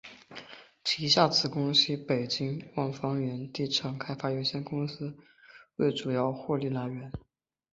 旗下子公司北京万方源房地产开发有限公司为主要获利来源。